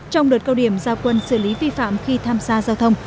trong đợt cao điểm giao quân xử lý vi phạm khi tham gia giao thông